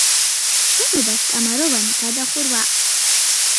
შენობას კამაროვანი გადახურვა აქვს.